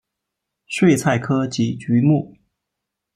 睡菜科及菊目。